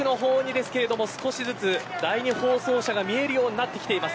奥の方にですが少しずつ第２放送車が見えるようになってきています